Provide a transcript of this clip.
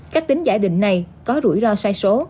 cách tính giả định này có rủi ro sai số